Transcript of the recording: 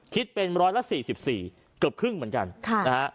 คิดเป็น๑๔๔มรายเกือบครึ่งเหมือนกัน